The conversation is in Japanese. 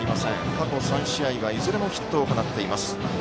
過去３試合はいずれもヒットを放っています。